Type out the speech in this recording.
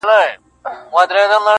خره به هره ورځ ویل چي لویه خدایه -